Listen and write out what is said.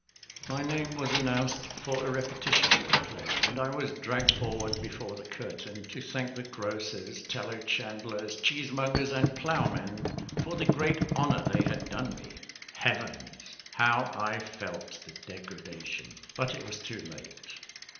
My name was announced for a repetition of the play, and I was dragged forward before the curtain, to thank the grocers, tallow chandlers, cheesemongers, and ploughmen for the great honour they had done me. Heavens! how I felt the degradation; but it was too late.